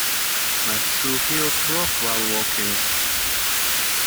My shoe heels broke while walking.